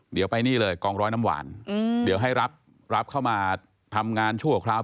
เดี๋ยวไปนี่เลยกองร้อยน้ำหวานเดี๋ยวให้รับเข้ามาทำงานชั่วคราว